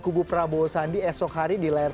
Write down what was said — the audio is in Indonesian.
kubu prabowo sandi esok hari di layar